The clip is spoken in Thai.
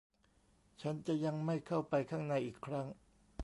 ฉันจะยังไม่เข้าไปข้างในอีกครั้ง